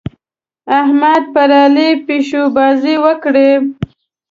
احمد پر علي پيشوبازۍ وکړې.